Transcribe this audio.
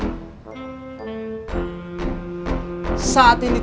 apa yang udah eliminasinya percaya prefix dalam